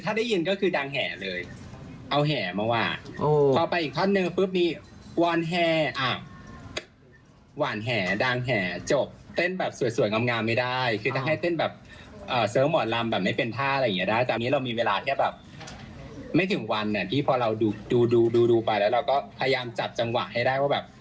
อันนี้เรามีเวลาที่จะแบบไม่ถึงวันเนี่ยพอเราดูไปแล้วเราก็พยายามจับจังหวะให้ได้ว่าแบบ